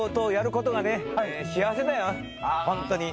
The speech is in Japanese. ホントに。